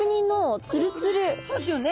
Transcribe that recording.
もうそうですよね。